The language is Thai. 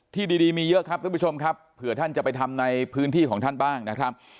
ที่ดีมีเยอะครับท่านผู้ชมครับเผื่อท่านจะไปทำในพื้นที่ของท่านบ้างนะครับ